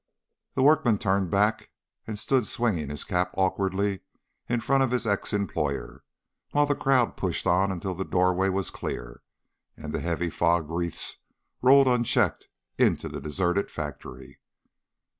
The workman turned back and stood swinging his cap awkwardly in front of his ex employer, while the crowd pushed on until the doorway was clear, and the heavy fog wreaths rolled unchecked into the deserted factory.